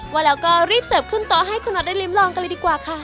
ว่าแล้วก็รีบเสิร์ฟขึ้นโต๊ะให้คุณน็อตได้ริมลองกันเลยดีกว่าค่ะ